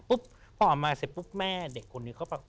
พอออกมาปุ๊บแม่เด็กคนนี้เขาเภ้าหายละ